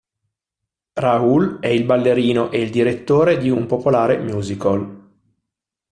Rahul è il ballerino e il direttore di un popolare musical.